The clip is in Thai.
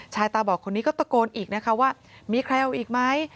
ตาบอดคนนี้ก็ตะโกนอีกนะคะว่ามีใครเอาอีกไหม